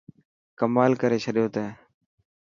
ڪمال ڪري ڇڏيو تين.